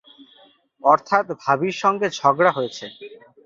অর্থাৎ ভাবির সঙ্গে ঝগড়া হয়েছে।